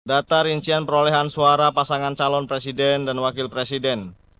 data rincian perolehan suara pasangan calon presiden dan wakil presiden